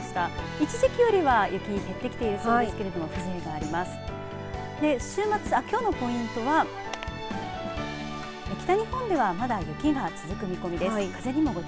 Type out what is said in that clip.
一時期よりは雪、減ってきているようですがきょうのポイントは北日本ではまだ雪が続く見込みです。